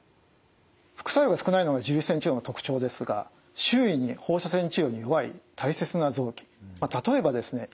副作用が少ないのが重粒子線治療の特徴ですが周囲に放射線治療に弱い大切な臓器例えばですね